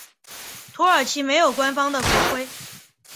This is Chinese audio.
土耳其没有官方的国徽。